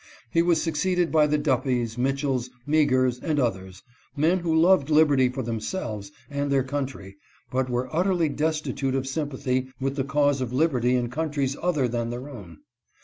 He was succeeded by the Duffys, Mitchells, Meaghers, and others, — men who loved liberty for themselves and their country, but were utterly desti tute of sympathy with the cause of liberty in countries other than their own.